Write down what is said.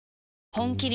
本麒麟